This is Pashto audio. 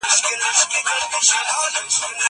که وخت وي، ځواب ليکم!!